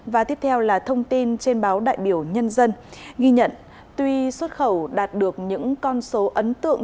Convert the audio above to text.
và tiếp theo là thông tin trên báo đại biểu nhân dân ghi nhận tuy xuất khẩu đạt được những con số ấn tượng